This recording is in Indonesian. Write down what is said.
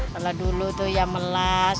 kalau dulu itu ya melas